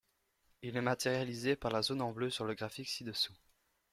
Il est matérialisé par la zone en bleue sur le graphique ci-dessous.